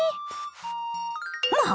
まあ！